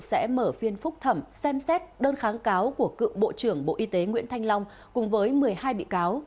sẽ mở phiên phúc thẩm xem xét đơn kháng cáo của cựu bộ trưởng bộ y tế nguyễn thanh long cùng với một mươi hai bị cáo